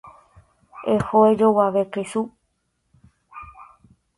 Eho ejoguave kesu.